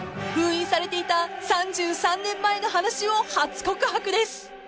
［封印されていた３３年前の話を初告白です］